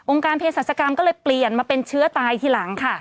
การเพศรัชกรรมก็เลยเปลี่ยนมาเป็นเชื้อตายทีหลังค่ะ